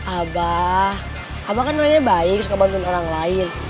abah abah kan orangnya baik suka bantuin orang lain